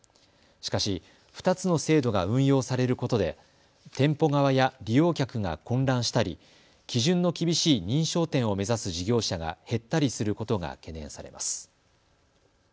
しかし２つの制度が運用されることで店舗側や利用客が混乱したり基準の厳しい認証店を目指す事業者が減ったりすることが懸念されます。